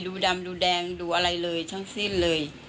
ดูดำดูแดงดูอะไรเลยทั้งสิ้นเลย